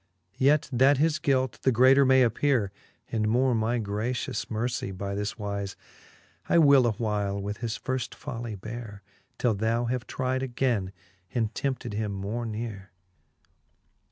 Yet that his guilt the greater may appeare, And more my gratious mercie by this wize, I will a while with his firft folly beare, Till thou have tride againe, and tempted him more neare.